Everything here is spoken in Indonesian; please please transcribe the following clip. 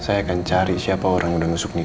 saya akan cari siapa orang yang udah ngesuk nino